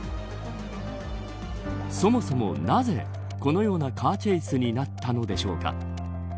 そもそもなぜこのようなカーチェイスになったのでしょうか。